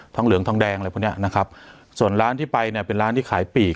เหลืองทองแดงอะไรพวกเนี้ยนะครับส่วนร้านที่ไปเนี่ยเป็นร้านที่ขายปีก